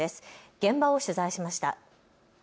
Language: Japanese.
現場を取材しました。